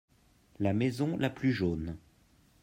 La maison la plus jaune.